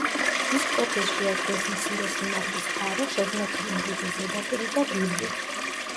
მის პროფილს შეადგენს მცირე სიმაღლის თარო, შეზნექილი მრუდე ზედაპირი და ლილვი.